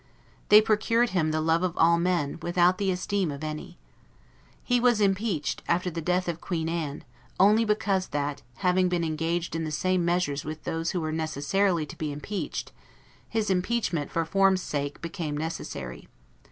They procured him the love of all men, without the esteem of any. He was impeached after the death of Queen Anne, only because that, having been engaged in the same measures with those who were necessarily to be impeached, his impeachment, for form's sake, became necessary.